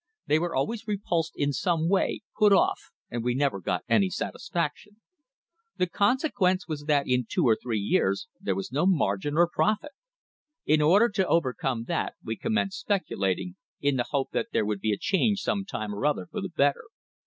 They were always repulsed in some way, put off, and we never got any satisfaction. The consequence was that in two or three years there was no margin or profit. In order to overcome that we commenced speculating, in the hope that there would be a change some time or other for the better.